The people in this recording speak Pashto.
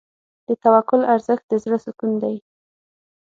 د توکل ارزښت د زړه سکون دی.